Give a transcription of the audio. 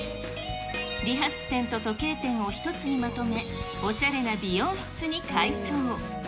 理髪店と時計店を一つにまとめ、おしゃれな美容室に改装。